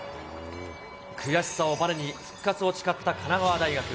悔しさをばねに復活を誓った神奈川大学。